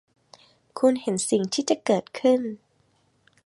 คุณเห็นสิ่งที่จะเกิดขึ้น